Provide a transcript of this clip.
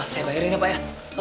saya bayarin ya pak ya